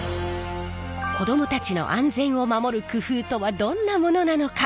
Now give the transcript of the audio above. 子どもたちの安全を守る工夫とはどんなものなのか？